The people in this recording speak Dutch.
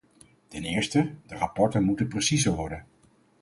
Ten eerste, de rapporten moeten preciezer worden.